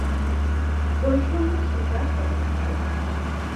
বৈষম্যের শিকার হবে না কেউ।